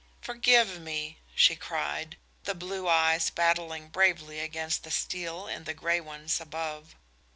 "Forgive me," she cried, the blue eyes battling bravely against the steel in the grey ones above.